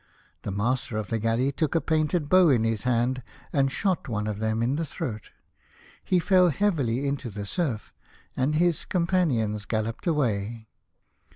The master of the galley took a painted bow in his hand and shot one of them in the throat. He fell heavily into the surf, and his companions galloped away.